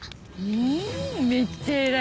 うんめっちゃ偉い。